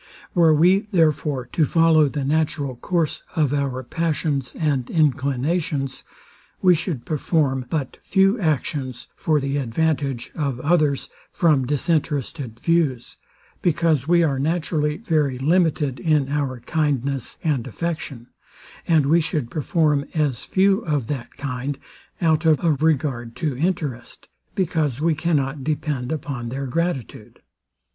Were we, therefore, to follow the natural course of our passions and inclinations, we should perform but few actions for the advantage of others, from distinterested views; because we are naturally very limited in our kindness and affection: And we should perform as few of that kind, out of a regard to interest; because we cannot depend upon their gratitude.